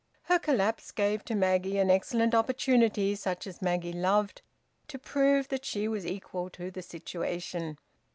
Her collapse gave to Maggie an excellent opportunity, such as Maggie loved, to prove that she was equal to a situation.